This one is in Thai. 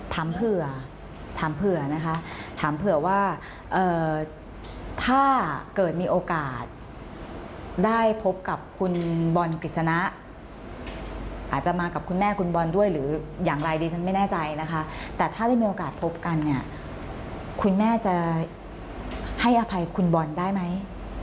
ถามเผื่อถามเผื่อนะคะถามเผื่อว่าถ้าเกิดมีโอกาสได้พบกับคุณบอลกฤษณะอาจจะมากับคุณแม่คุณบอลด้วยหรืออย่างไรดิฉันไม่แน่ใจนะคะแต่ถ้าได้มีโอกาสพบกันเนี่ยคุณแม่จะให้อภัยคุณบอลได้ไหม